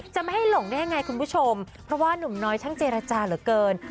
จะไม่ให้หลงได้ยังไงคุณผู้ชมเพราะว่านุ่มน้อยช่างเจรจาเหลือเกิน